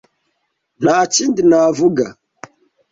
Nta kindi navuga.